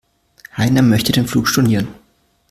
Heiner möchte den Flug stornieren.